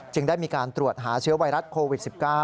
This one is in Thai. ได้มีการตรวจหาเชื้อไวรัสโควิด๑๙